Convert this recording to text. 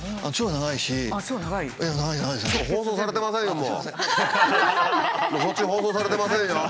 もうそっち放送されてませんよ。